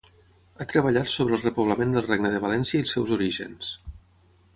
Ha treballat sobre el repoblament del Regne de València i els seus orígens.